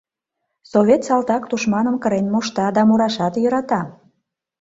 Совет салтак тушманым кырен мошта да мурашат йӧрата.